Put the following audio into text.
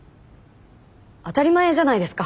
当たり前じゃないですか。